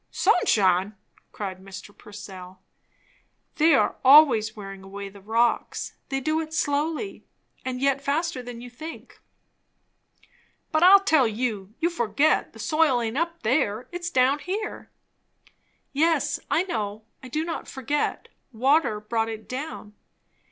"Sunshine!" cried Mr. Purcell. "They are always wearing away the rocks. They do it slowly, and yet faster than you think." "But I'll tell you. You forget. The soil aint up there it's down here." "Yes, I know. I do not forget. Water brought it down."